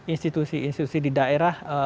institusi institusi di daerah